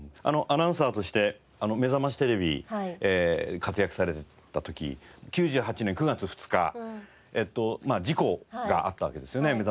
アナウンサーとして『めざましテレビ』で活躍されてた時９８年９月２日事故があったわけですよね